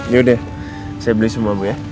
yaudah saya beli semua bu ya